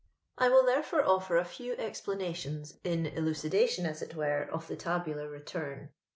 I will, therefore, oAr a few esplanalioos in elucidation, as it irere^ of tha tabnlar return.